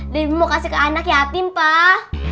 debi mau kasih ke anak yatim pak